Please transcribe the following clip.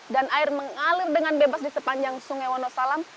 dan air mengalir dengan bebas di sepanjang sungai wonosalam